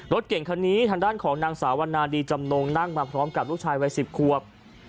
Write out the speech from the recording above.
รถเก่งคันนี้ทางด้านของนางสาววันนาดีจำนงนั่งมาพร้อมกับลูกชายวัย๑๐ควบ